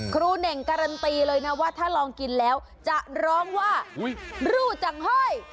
เน่งการันตีเลยนะว่าถ้าลองกินแล้วจะร้องว่ารูจังห้อย